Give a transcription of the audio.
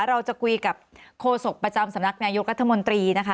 เราจะคุยกับโฆษกประจำสำนักนายกรัฐมนตรีนะคะ